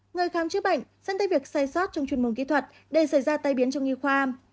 người khám chữa bệnh dẫn tới việc sai sót trong chuyên môn kỹ thuật để xảy ra tai biến trong nhi khoa